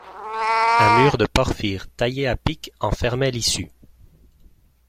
Un mur de porphyre, taillé à pic, en fermait l’issue.